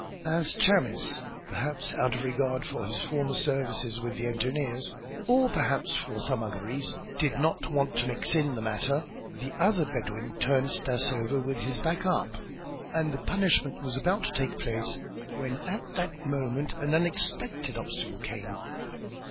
As Chamis, perhaps out of regard for his former service with the engineers or perhaps from some other reason, did not want to mix in the matter, the other Bedouin turned Stas over with his back up and the punishment was about to take place, when at that moment an unexpected obstacle came.